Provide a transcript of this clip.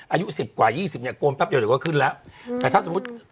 อายุสิบกว่ายี่สิบเนี้ยโกนแป๊บเดียวเดี๋ยวก็ขึ้นแล้วแต่ถ้าสมมุติ